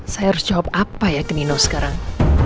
saya harus jawab apa ya ke nino sekarang